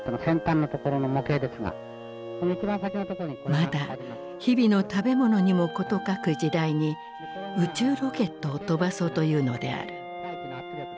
まだ日々の食べ物にも事欠く時代に宇宙ロケットを飛ばそうというのである。